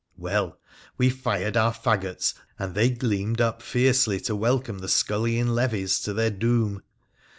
Well, we fired our faggots, and they gleamed up fiercely to welcome the scullion levies to their doom.